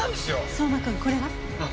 相馬君これは？